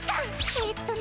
えっとね